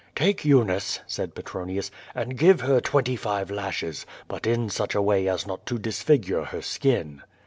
"Take Eunice," said Petronius, "and give her twenty five lashes, but in such a way as not to disfigure her skin."